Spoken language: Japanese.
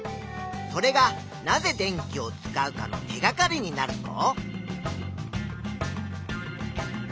それがなぜ電気を使うかの手がかりになるぞ。